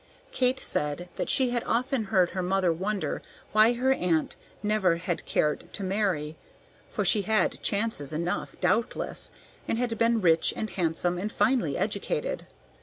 Kate said that she had often heard her mother wonder why her aunt never had cared to marry, for she had chances enough doubtless, and had been rich and handsome and finely educated.